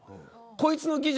こいつの技術